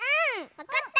わかった！